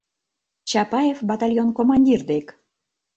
Чапаев батальон командир дек: